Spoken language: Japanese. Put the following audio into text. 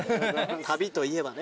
旅といえばね